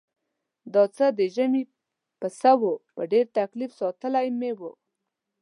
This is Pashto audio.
دا څه د ژمي پسه و په ډېر تکلیف ساتلی مې و.